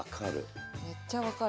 めっちゃ分かる。